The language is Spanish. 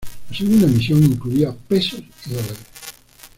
La segunda emisión incluía pesos y dólares.